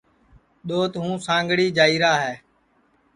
دؔوت ہوں سانگھڑی جائیری ہے